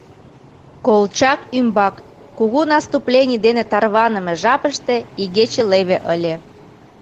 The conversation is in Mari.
Колчак ӱмбак кугу наступлений дене тарваныме жапыште игече леве ыле.